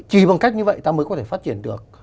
chỉ bằng cách như vậy ta mới có thể phát triển được